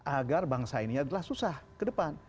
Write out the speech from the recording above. agar bangsa ini adalah susah kedepan